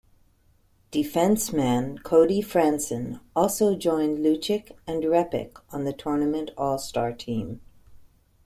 Defenceman Cody Franson also joined Lucic and Repik on the tournament All-Star Team.